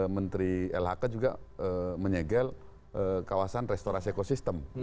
menteri lhk juga menyegel kawasan restorasi ekosistem